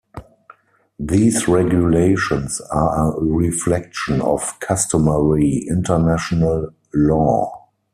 These regulations are a reflection of customary international law.